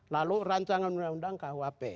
lalu rancangan undang undang kuhp